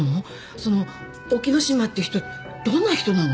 その沖野島って人どんな人なの？